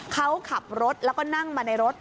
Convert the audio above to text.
เขาขับรถแล้วก็นั่งมาในรถ